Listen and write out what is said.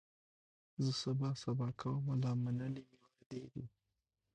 زه سبا سبا کومه لا منلي مي وعدې دي